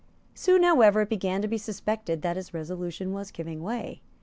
Soon, however, it began to be suspected that his resolution was giving way.